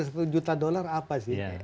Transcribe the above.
ini metode satu juta dollar apa sih